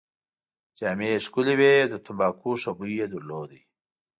جامې يې ښکلې وې او د تمباکو ښه بوی يې درلود.